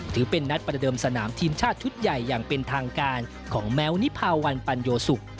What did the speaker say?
ถือเป็นนัดประเดิมสนามทีมชาติชุดใหญ่อย่างเป็นทางการของแม้วนิพาวันปัญโยสุก